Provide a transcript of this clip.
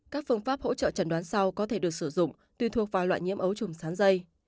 các phương pháp hỗ trợ trần đoán sau có thể được sử dụng tùy thuộc vào loại nhiễm ấu trùng sán dây